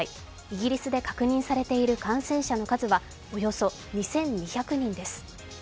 イギリスで確認されている感染者の数はおよそ２２００人です。